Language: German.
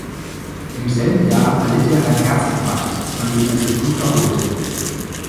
Im selben Jahr erlitt er einen Herzinfarkt, von dem er sich gut erholte.